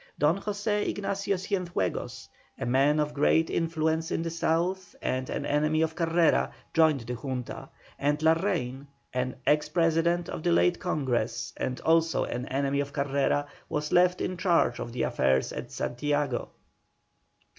Don José Ignacio Cienfuegos, a man of great influence in the South and an enemy of Carrera, joined the Junta, and Larrain, ex President of the late Congress, and also an enemy of Carrera, was left in charge of the affairs at Santiago.